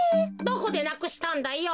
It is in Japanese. どこでなくしたんだよ？